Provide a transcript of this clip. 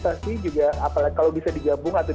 pasti juga apalagi kalau bisa digabung atau